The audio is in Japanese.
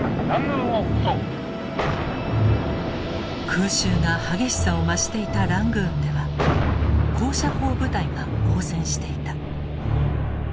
空襲が激しさを増していたラングーンでは高射砲部隊が応戦していた。